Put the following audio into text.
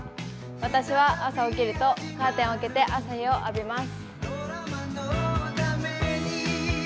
私は朝起きると、カーテンを開けて朝日を浴びます。